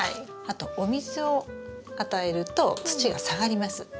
あとお水を与えると土が下がります。